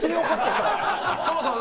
そうそう。